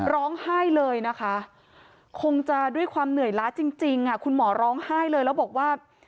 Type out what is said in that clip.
ร้องไห้เลยนะคะคงจะด้วยความเหนื่อยล้าจริงคุณหมอร้องไห้เลยแล้วบอกว่า